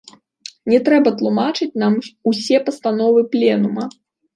Не трэба тлумачыць нам усе пастановы пленума.